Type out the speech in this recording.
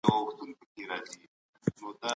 خلګو له پخوا راهیسې دروغ منل.